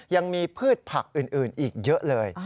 ยังมีพืชผักอื่นอีกเยอะเลย